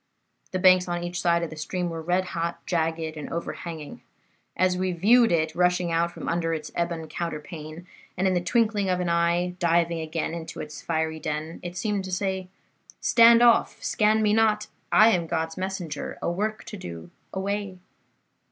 The banks on each side of the stream were red hot, jagged and overhanging. As we viewed it rushing out from under its ebon counterpane, and in the twinkling of an eye diving again into its fiery den, it seemed to say, 'Stand off! Scan me not! I am God's messenger. A work to do. Away!